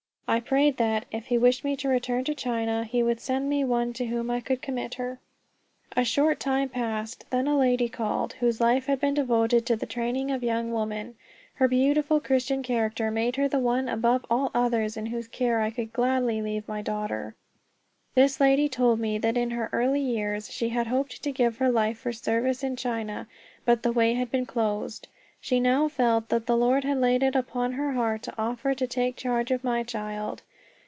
I prayed that, if he wished me to return to China, he would send me one to whom I could commit her. A short time passed; then a lady called, whose life had been devoted to the training of young women. Her beautiful Christian character made her the one above all others in whose care I could gladly leave my daughter. This lady told me that in her early years she had hoped to give her life for service in China, but the way had been closed. She now felt that the Lord had laid it upon her heart to offer to take charge of my child.